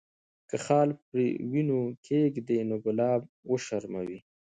که خال پر وینو کښېږدي، نو ګلاب وشرموي.